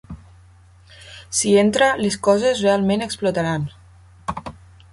Si entra, les coses realment explotaran.